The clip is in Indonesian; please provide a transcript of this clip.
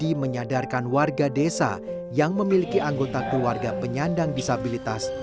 di menyadarkan warga desa yang memiliki anggota keluarga penyandang disabilitas